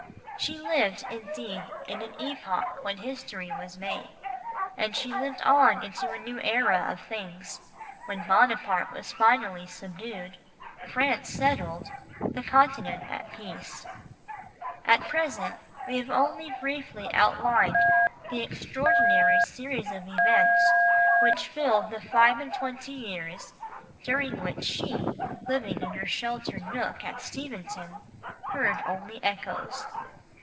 She lived, indeed, in an epoch when history was made, and she lived on into a new era of things, when Buonaparte was finally subdued, France settled, the Continent at peace. At present we have only briefly outlined the extraordinary series of events which filled the five and twenty years during which she, living in her sheltered nook at Steventon, heard only echoes.